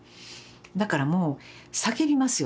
だからもう叫びますよね。